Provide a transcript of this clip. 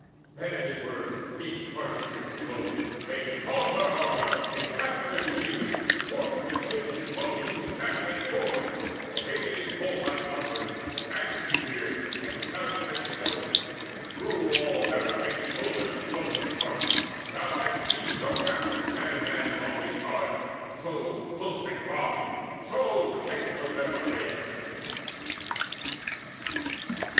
Then at his words each heart and spirit glowed: They donned their armour, and they grasped their shields. Forth of the ships in one huge mass they poured Arrayed with bull hide bucklers, ashen spears, And gallant crested helms. Through all their ranks Shoulder to shoulder marched they: thou hadst seen No gap 'twixt man and man as on they charged; So close they thronged, so dense was their array.